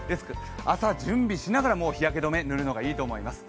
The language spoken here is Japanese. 朝、準備しながら日焼け止め、塗るのがいいと思います。